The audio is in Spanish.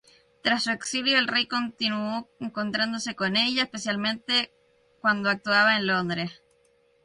Tras su exilio, el rey continuo encontrándose con ella, especialmente cuando actuaba en Londres.